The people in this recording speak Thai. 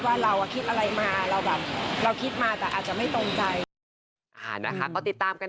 ว่าเราคิดอะไรมา